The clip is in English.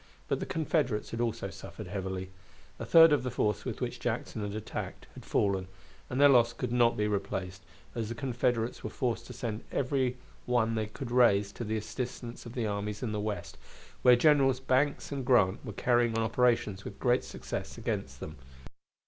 But the Confederates had also suffered heavily. A third of the force with which Jackson had attacked had fallen, and their loss could not be replaced, as the Confederates were forced to send every one they could raise to the assistance of the armies in the West, where Generals Banks and Grant were carrying on operations with great success against them.